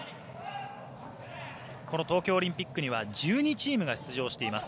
この東京オリンピックには１２チームが出場しています。